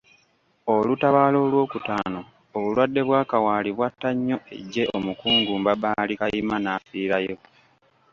Olutabaalo olw'okutaano obulwadde bwa kawaali bwatta nnyo eggye n'Omukungu Mbabaali Kayima n'afiirayo.